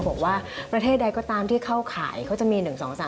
บอกว่าประเทศใดก็ตามที่เข้าขายเขาจะมี๑๒๓